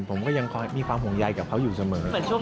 ผมก็ยังมีความห่วงใยกับเขาอยู่เสมอ